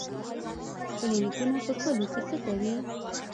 کلینیکونه په کلیو کې څه کوي؟